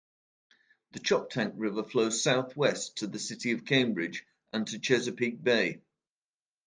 The Choptank River flows southwest to the city of Cambridge and to Chesapeake Bay.